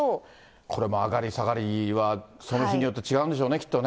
これも上がり下がりは、その日によって違うんでしょうね、きっとね。